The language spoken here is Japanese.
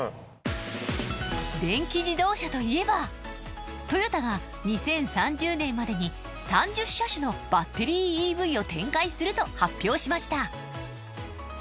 電気自動車といえばトヨタが２０３０年までに３０車種のバッテリーＥＶを展開すると発表しました。